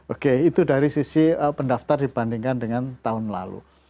oke itu dari sisi pendaftar dibandingkan dengan tahun lalu